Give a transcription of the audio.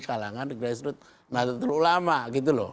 kalangan grassroots nahdlatul ulama gitu loh